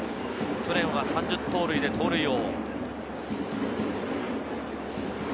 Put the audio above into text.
去年は３０盗塁で盗塁王。